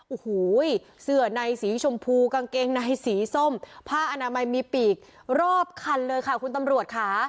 โอ้โหเสื้อในสีชมพูกางเกงในสีส้มผ้าอนามัยมีปีกรอบคันเลยค่ะคุณตำรวจค่ะ